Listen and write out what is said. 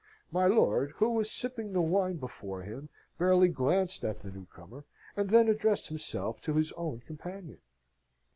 My lord, who was sipping the wine before him, barely glanced at the new comer, and then addressed himself to his own companion.